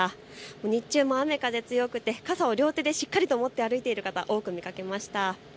日中も雨風強くして傘を両手でしっかりと持って歩いている方、多く見かけました。